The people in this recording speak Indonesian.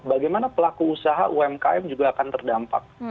bagaimana pelaku usaha umkm berpengaruh